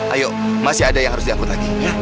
ayo masih ada yang harus dianggut lagi ya